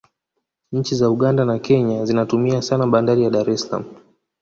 nchi za uganda na kenya zinatumia sana bandar ya dar es salaam